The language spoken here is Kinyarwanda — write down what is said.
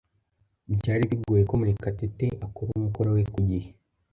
Byari bigoye ko Murekatete akora umukoro we ku gihe.